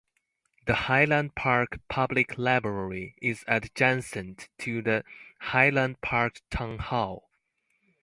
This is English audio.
The Highland Park Public Library is adjacent to the Highland Park Town Hall.